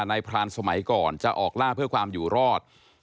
พรานสมัยก่อนจะออกล่าเพื่อความอยู่รอด